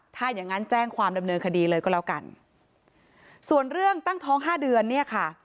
ถ้าอย่างงั้นแจ้งความดำเนินคดีเลยก็แล้วกันส่วนเรื่องตั้งท้องห้าเดือนเนี่ยค่ะ